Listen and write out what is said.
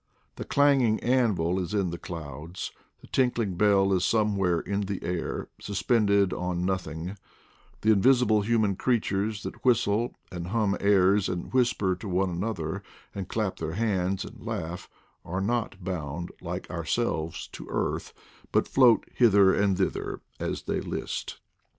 The clanging anvil is in the clouds; the tinkling bell is somewhere in the air, suspended on nothing; the invisible human creatures that whistle, and hum airs, and whisper to one another, and clap their hands and laugh, are not bound, like ourselves, to earth, but float hither and thither as they list.